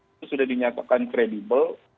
itu sudah dinyatakan kredibel